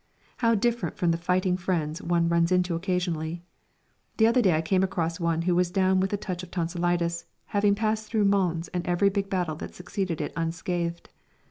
How different from the fighting friends one runs into occasionally! The other day I came across one who was down with a touch of tonsilitis, having passed through Mons and every big battle that succeeded it unscathed.